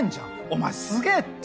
お前すげえって。